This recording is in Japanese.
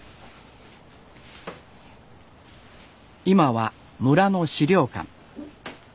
今は村の資料館。